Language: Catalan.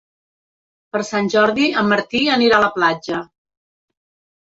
Per Sant Jordi en Martí anirà a la platja.